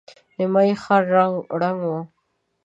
نيمايي ښار ړنګ و.